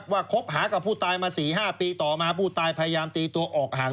คบหากับผู้ตายมา๔๕ปีต่อมาผู้ตายพยายามตีตัวออกห่าง